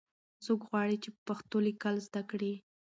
څوک غواړي چې په پښتو لیکل زده کړي؟